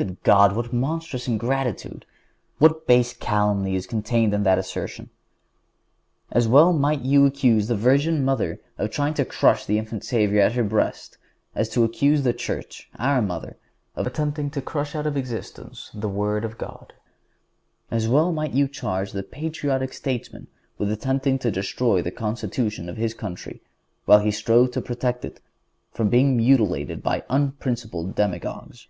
Good God! What monstrous ingratitude! What base calumny is contained in that assertion! As well might you accuse the Virgin Mother of trying to crush the Infant Savior at her breast as to accuse the Church, our Mother, of attempting to crush out of existence the Word of God. As well might you charge the patriotic statesman with attempting to destroy the constitution of his country, while he strove to protect it from being mutilated by unprincipled demagogues.